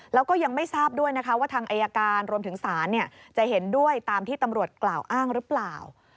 แล้วก็ยังไม่ทราบด้วยนะคะว่าทางอายการรวมถึงศาลจะเห็นด้วยตามที่ตำรวจกล่าวอ้างหรือเปล่า